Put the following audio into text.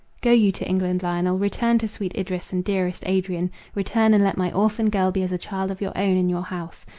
"Go you to England, Lionel; return to sweet Idris and dearest Adrian; return, and let my orphan girl be as a child of your own in your house.